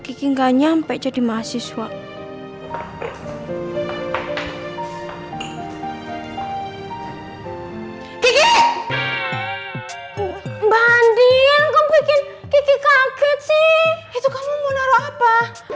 kiki nggak nyampe jadi mahasiswa kiki banding bikin kaget sih itu kamu mau naruh apa